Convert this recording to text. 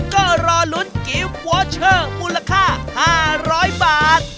ก็รอลุ้นกิฟต์วอเชอร์มูลค่า๕๐๐บาท